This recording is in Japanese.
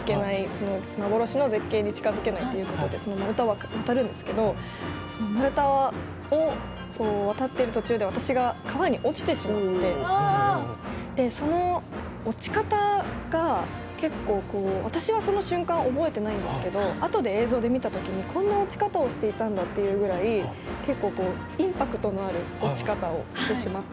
その幻の絶景に近づけないっていうことでその丸太を渡るんですけど丸太を渡ってる途中で私が川に落ちてしまってでその落ち方が結構こう私はその瞬間覚えてないんですけど後で映像で見た時にこんな落ち方をしていたんだっていうぐらい結構インパクトのある落ち方をしてしまって。